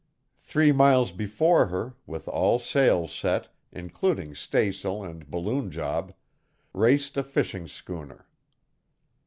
Three miles before her, with all sails set, including staysail and balloon job, raced a fishing schooner.